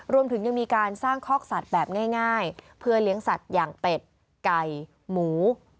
รวมถึงยังมีการสร้างคอกสัตว์แบบง่ายเพื่อเลี้ยงสัตว์อย่างเป็ดไก่หมู